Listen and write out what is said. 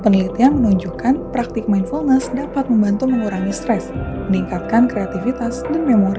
penelitian menunjukkan praktik mindfulness dapat membantu mengurangi stres meningkatkan kreativitas dan memori